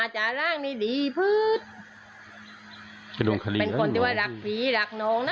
ชอบโค้ม